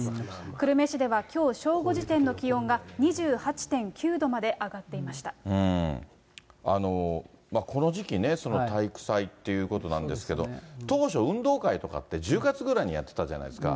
久留米市ではきょう正午時点の気温が２８．９度まで上がっていまこの時期ね、体育祭ということなんですけど、当初、運動会とかって１０月ぐらいにやってたじゃないですか。